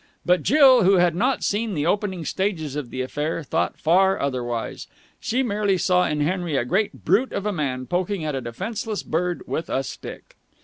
But Jill, who had not seen the opening stages of the affair, thought far otherwise. She merely saw in Henry a great brute of a man poking at a defenceless bird with a stick.